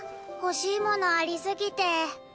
欲しいものあり過ぎて。